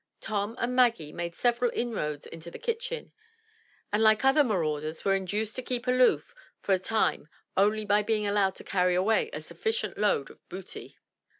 Tom and Maggie made several inroads into the kitchen, and like other marauders, were induced to keep aloof for a time only by being allowed to carry away a sufficient load of booty.